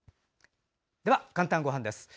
では「かんたんごはん」です。